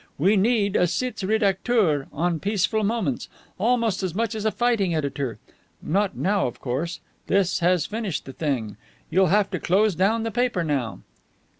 We need a sitz redacteur on Peaceful Moments almost as much as a fighting editor. Not now, of course. This has finished the thing. You'll have to close down the paper now."